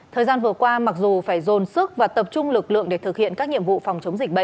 thời gian vừa qua mặc dù phải dồn sức và tập trung lực lượng để thực hiện các nhiệm vụ phòng chống dịch bệnh